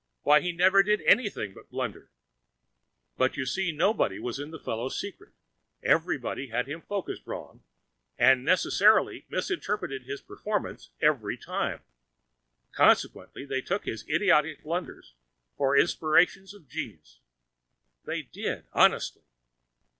why, he never did anything but blunder. But, you see, nobody was in the fellow's secret—everybody had him focused wrong, and necessarily misinterpreted his performance every time—consequently they took his idiotic blunders for inspirations of genius; they did honestly!